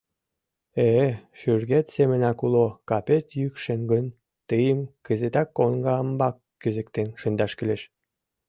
— Э-э, шӱргет семынак уло капет йӱкшен гын, тыйым кызытак коҥгамбак кӱзыктен шындаш кӱлеш.